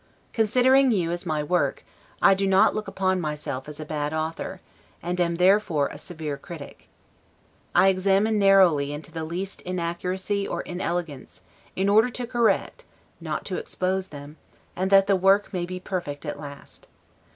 Considering you as my work, I do not look upon myself as a bad author, and am therefore a severe critic. I examine narrowly into the least inaccuracy or inelegance, in order to correct, not to expose them, and that the work may be perfect at last.